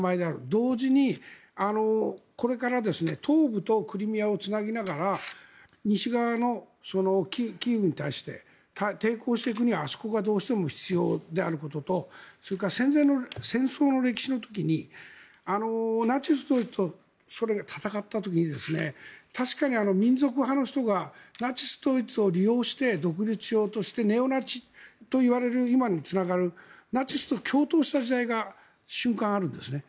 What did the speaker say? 同時にこれから東部とクリミアをつなぎながら西側のキーウに対して抵抗していくにはあそこがどうしても必要であることとそれから戦争の歴史の時にナチス・ドイツとソ連が戦った時に確かに民族派の人がナチス・ドイツを利用して独立しようとしてネオナチといわれる今につながるナチスと共闘した時代が瞬間、あるんですね。